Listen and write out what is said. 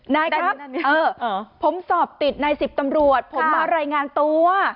นายครับผมสอบติดนายสิบตำรวจผมมารายงานตัว